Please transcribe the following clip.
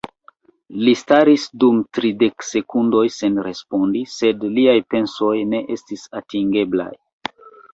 Li staris dum tridek sekundoj sen respondi, sed liaj pensoj ne estis atingeblaj.